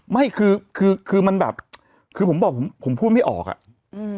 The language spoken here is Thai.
ไม่คือคือมันแบบคือผมบอกผมผมพูดไม่ออกอ่ะอืม